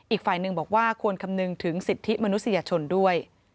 อีกฝ่ายหนึ่งบอกว่าควรคำนึงถึงสิทธิมนุษยชนด้วย